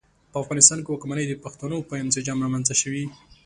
په افغانستان کې واکمنۍ د پښتنو په انسجام رامنځته شوې.